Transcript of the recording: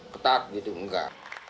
tetap gitu enggak